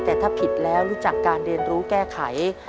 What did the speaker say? แต่ถ้าผิดแล้วรู้จักการเรียนรู้แก้ไข